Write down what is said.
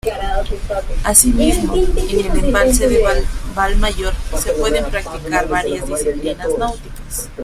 Asimismo, en el embalse de Valmayor se pueden practicar varias disciplinas náuticas.